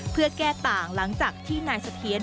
เพื่อแก้ต่างหลังจากที่นายเสถียร